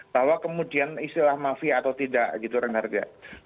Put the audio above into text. bahwa kemudian istilah mafia atau tidak gitu renhardt ya